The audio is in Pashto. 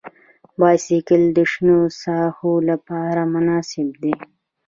بایسکل د شنو ساحو لپاره مناسب دی.